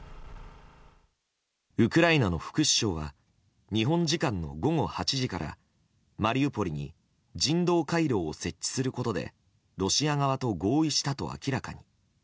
ウクライナの副首相は日本時間の午後８時からマリウポリに人道回廊を設置することでロシア側と合意したと明らかに。